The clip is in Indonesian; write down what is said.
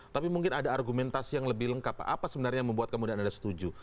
tapi mungkin ada argumentasi yang lebih lengkap pak apa sebenarnya yang membuat kemudian anda setuju